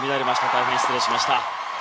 大変失礼しました。